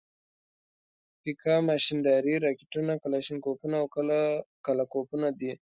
پیکا ماشیندارې، راکېټونه، کلاشینکوفونه او کله کوفونه دي.